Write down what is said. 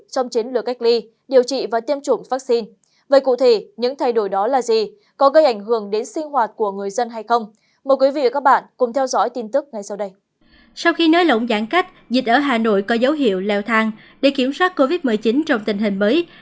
sau khi nới lộng giãn cách dịch ở hà nội có dấu hiệu leo thang để kiểm soát covid một mươi chín trong tình hình mới